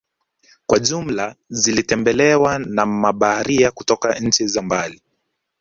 Kwa jumla zilitembelewa na mabaharia kutoka nchi za mbali